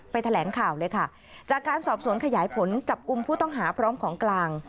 แถลงข่าวเลยค่ะจากการสอบสวนขยายผลจับกลุ่มผู้ต้องหาพร้อมของกลาง